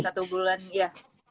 satu bulan ya